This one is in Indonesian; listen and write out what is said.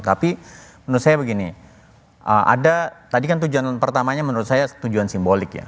tapi menurut saya begini ada tadi kan tujuan pertamanya menurut saya tujuan simbolik ya